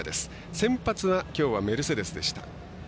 先発は、きょうはメルセデスでした。